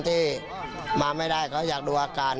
ที่มาไม่ได้เขาอยากดูอาการ